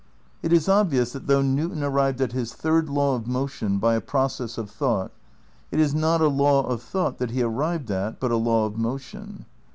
It is obvious that though Newton arrived at his third law of motion by a process of thought, it is not a law of thought that he arrived at but a law of motion.